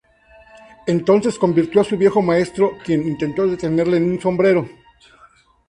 Entonces convirtió a su viejo maestro, quien intentó detenerle, en un sombrero.